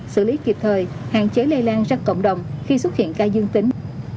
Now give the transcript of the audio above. xử lý kịp thời hạn chế lây lan ra cộng đồng khi xuất hiện ca dương tính